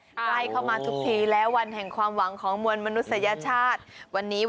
ใกล้เข้ามาทุกทีแล้ววันแห่งความหวังของมวลมนุษยชาติ